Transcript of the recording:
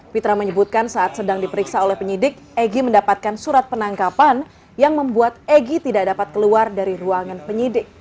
pitra menyebutkan saat sedang diperiksa oleh penyidik egy mendapatkan surat penangkapan yang membuat egy tidak dapat keluar dari ruangan penyidik